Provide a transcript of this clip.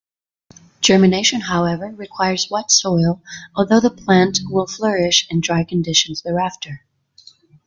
Germination, however, requires wet soil although the plants will flourish in dry conditions thereafter.